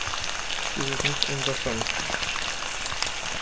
Dies ist nicht unser Standpunkt.